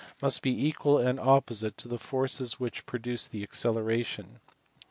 383 be equal and opposite to the forces which produce the accelera tion.